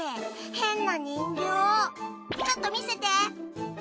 変な人形ちょっと見せて！